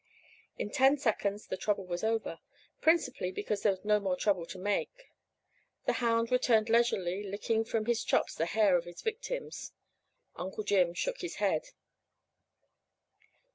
In ten seconds the trouble was over, principally because there was no more trouble to make. The hound returned leisurely, licking from his chops the hair of his victims. Uncle Jim shook his head.